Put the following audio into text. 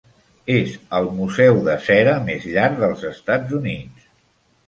És el Museu de cera més llarg dels Estats Units.